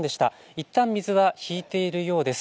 いったん水は引いているようです。